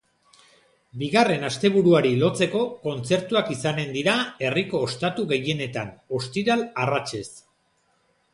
Bigarren asteburuari lotzeko, kontzertuak izanen dira herriko ostatu gehienetan, ostiral arratsez.